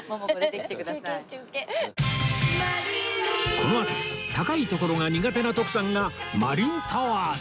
このあと高い所が苦手な徳さんがマリンタワーで